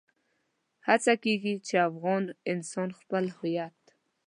هڅه کېږي چې افغان انسان خپل هويت.